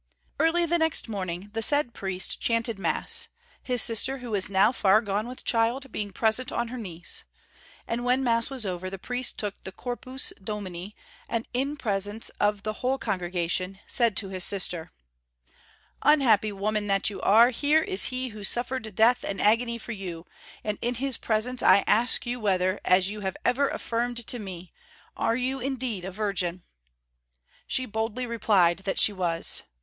Early the next morning the said priest chanted mass, his sister, who was now far gone with child, being present on her knees; and when mass was over, the priest took the "Corpus Domini," and in presence of the whole congregation said to his sister "Unhappy woman that you are, here is He who suffered death and agony for you, and in His presence I ask you whether, as you have ever affirmed to me, you are indeed a virgin?" She boldly replied that she was.